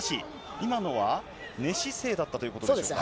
今のは寝姿勢だったということでしょうか。